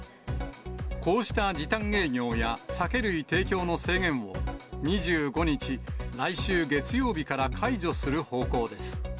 こうした時短営業や酒類提供の制限を、２５日、来週月曜日から解除する方向です。